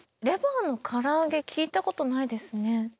レバーのから揚げ聞いたことないですね。